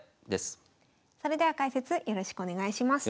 それでは解説よろしくお願いします。